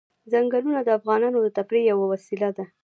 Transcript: ځنګلونه د افغانانو د تفریح یوه وسیله ده.